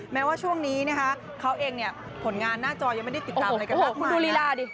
แม้ว่าช่วงนี้เขาเองผลงานหน้าจอยยังไม่ได้ติดตามอะไรกันมาก